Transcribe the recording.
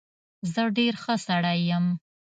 زه ډېر ښه سړى يم.